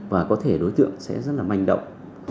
và có thể đối tượng sẽ rất là manh động